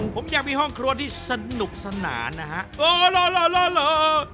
ผมยังมีห้องครัวที่สนุกสนาน